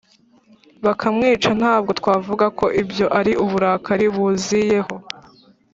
bakamwica, ntabwo twavuga ko ibyo ari uburakari buziyeho.